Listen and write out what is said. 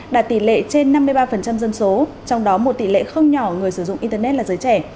đạt tỷ lệ trên năm mươi ba dân số trong đó một tỷ lệ không nhỏ người sử dụng internet là giới trẻ